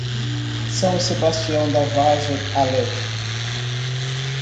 São Sebastião da Vargem Alegre